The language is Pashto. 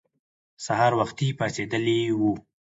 سهار وختي پاڅېدلي وو.